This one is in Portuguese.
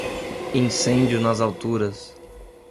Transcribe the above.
Incêndio nas alturas